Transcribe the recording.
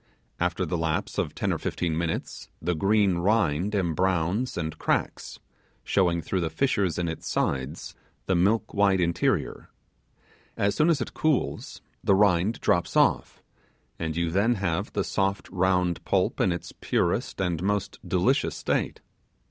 After the lapse of ten or fifteen minutes, the green rind embrowns and cracks, showing through the fissures in its sides the milk white interior. As soon as it cools the rind drops off, and you then have the soft round pulp in its purest and most delicious state.